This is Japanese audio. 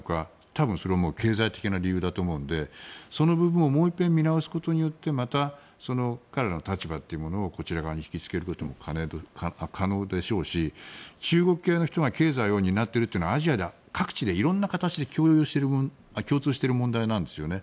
多分それは経済的な理由だと思うのでその部分をもう一回見直すことによってまた彼らの立場というものをこちらに引きつけることも可能でしょうし中国系の人が経済を担っているのはアジアでは各地で色んな形で共通している問題なんですよね。